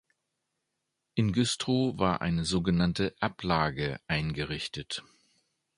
In Güstrow war eine sogenannte "Ablage" eingerichtet.